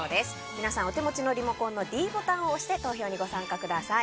皆さん、お手持ちのリモコンのｄボタンを押して投票にご参加ください。